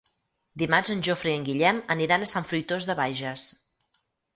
Dimarts en Jofre i en Guillem aniran a Sant Fruitós de Bages.